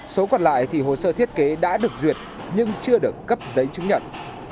số còn lại thì hồ sơ thiết kế đã được duyệt nhưng chưa được cấp giấy chứng nhận